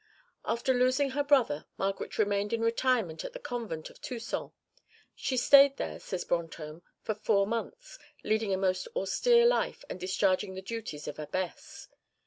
(1) After losing her brother, Margaret remained in retirement at the convent of Tusson. She stayed there, says Brantôme, for four months, leading a most austere life and discharging the duties of abbess.